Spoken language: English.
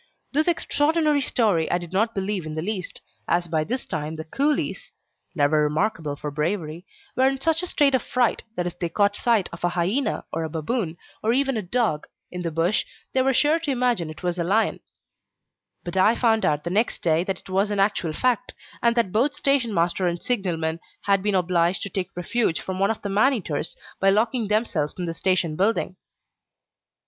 This extraordinary story I did not believe in the least, as by this time the coolies never remarkable for bravery were in such a state of fright that if they caught sight of a hyena or a baboon, or even a dog, in the bush, they were sure to imagine it was a lion; but I found out next day that it was an actual fact, and that both stationmaster and signalman had been obliged to take refuge from one of the man eaters by locking themselves in the station building.